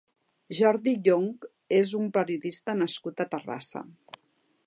Jordi Llonch és un periodista nascut a Terrassa.